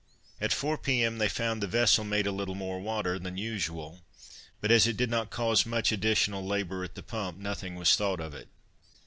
At four P. M. they found the vessel made a little more water, than usual; but as it did not cause much additional labour at the pump, nothing was thought of it.